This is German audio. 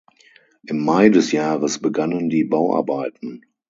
Im Mai des Jahres begannen die Bauarbeiten.